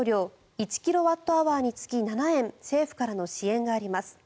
１キロワットアワーにつき７円政府からの支援があります。